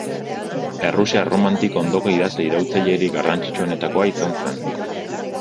Errusia erromantiko ondoko idazle iraultzailerik garrantzitsuenetakoa izan zen.